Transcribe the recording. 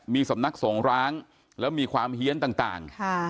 มีสำนักสงร้างแล้วมีความเฮียนต่าง